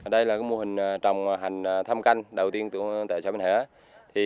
đây là mô hình trồng hành thăm canh đầu tiên tại xã bình hải